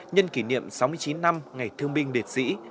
nhân kỷ niệm sáu mươi chín năm ngày thương binh liệt sĩ